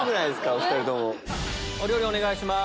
お料理お願いします。